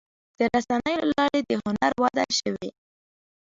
د رسنیو له لارې د هنر وده شوې.